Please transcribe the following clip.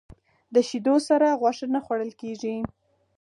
د شیدو سره غوښه نه خوړل کېږي.